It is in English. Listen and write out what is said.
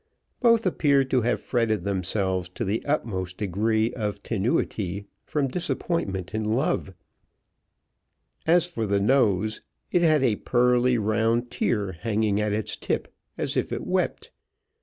Both appeared to have fretted themselves to the utmost degree of tenuity from disappointment in love: as for the nose, it had a pearly round tear hanging at its tip, as if it wept.